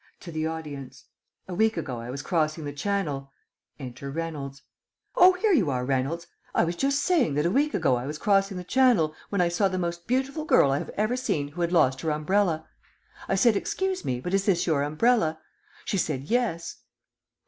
(To the audience) A week ago I was crossing the Channel (enter Reynolds) Oh, here you are, Reynolds! I was just saying that a week ago I was crossing the Channel when I saw the most beautiful girl I have ever seen who had lost her umbrella. I said, "Excuse me, but is this your umbrella?" She said, "Yes."